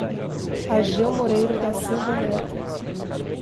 Ageu Moreira da Silva Neto